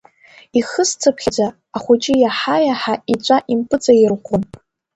Ихысцыԥхьаӡа, ахәыҷы иаҳа-иаҳа иҵәа импыҵаирӷәӷәон.